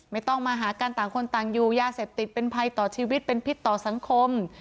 ไม่ต้องมาหากันต่างคนต่างอยู่ยาเสพติดเป็นภัยต่อชีวิตเป็นพิษต่อสังคม